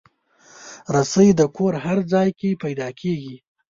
رسۍ د کور هر ځای کې پیدا کېږي.